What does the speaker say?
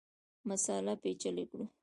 مسأله پېچلې کړو.